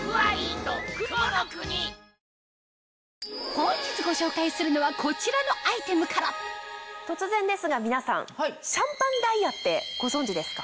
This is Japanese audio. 本日ご紹介するのはこちらのアイテムから突然ですが皆さん。ってご存じですか？